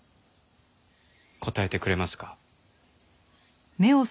答えてくれますか？